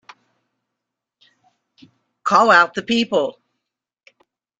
Call out the people!